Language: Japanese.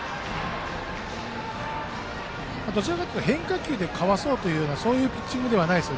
どちらかというと変化球でかわそうというそういうピッチングではないです。